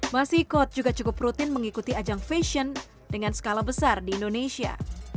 masikot juga cukup rutin mengikuti ajang fashion dengan skala besar di indonesia